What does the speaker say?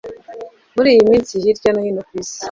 muri iyi minsi hirya no hino ku Isi,